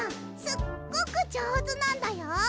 すっごくじょうずなんだよ！